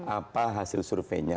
apa hasil surveinya